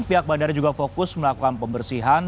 pihak bandara juga fokus melakukan pembersihan